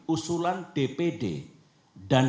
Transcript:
usulan dpj dan